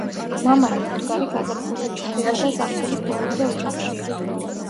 მამალი ფუტკარი გაზაფხულზე ჩნდება და ზაფხულის ბოლომდე ოჯახშია.